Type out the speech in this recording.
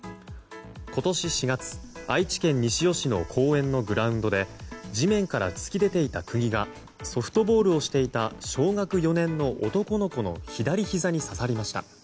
今年４月、愛知県西尾市の公園のグラウンドで地面から突き出ていた釘がソフトボールをしていた小学４年の男の子の左ひざに刺さりました。